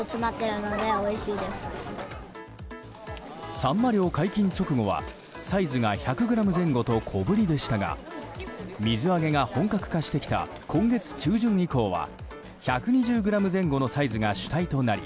サンマ漁解禁直後は、サイズが１００ｇ前後と小ぶりでしたが水揚げが本格化してきた今月中旬以降は１２０ｇ前後のサイズが主体となり